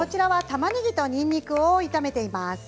たまねぎとにんにくを炒めています。